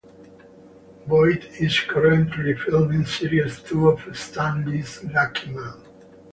Boyd is currently filming series two of Stan Lee's Lucky Man.